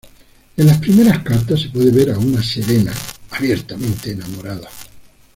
En las primeras cartas se puede ver a una Serena abiertamente enamorada.